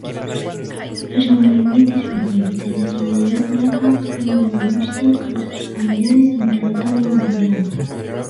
Los sobrevivientes judíos de nacionalidad polaca buscaron reunirse con sus familiares en territorio venezolano.